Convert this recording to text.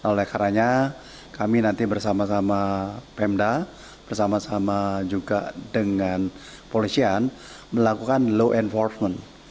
oleh karena kami nanti bersama sama pemda bersama sama juga dengan polisian melakukan law enforcement